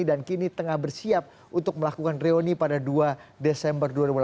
dan kini tengah bersiap untuk melakukan reuni pada dua desember dua ribu delapan belas